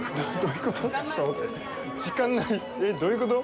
どういうこと？